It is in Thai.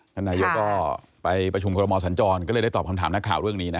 คันไนยกประชุมคดมสัญจรก็ได้ตอบคำถามนักข่าวเรื่องนี้